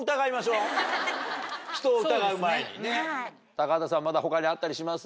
高畑さんまだ他にあったりします？